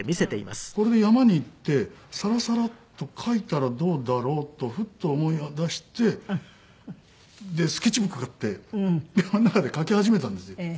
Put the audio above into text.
これで山に行ってサラサラと描いたらどうだろうとふと思いだして。でスケッチブック買って山の中で描き始めたんですよ。